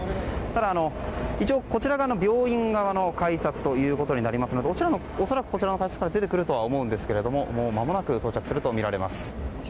ただ、一応こちらが病院側の改札ということで恐らく、こちらの改札から出てくるとは思うんですけれどももうまもなく到着するとみられます。